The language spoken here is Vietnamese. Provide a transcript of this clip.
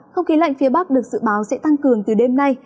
không khí lạnh phía bắc được dự báo sẽ tăng cường từ đêm nay